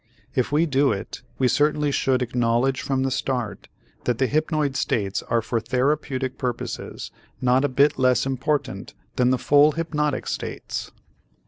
If we do it, we certainly should acknowledge from the start that the hypnoid states are for therapeutic purposes not a bit less important than the full hypnotic states.